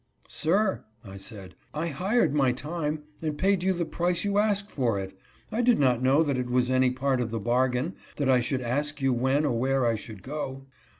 "Sir," I said, "I hired my time and paid you the price you asked for it. I did not know that it was any part of the bargain that I should ask you when or where I should go."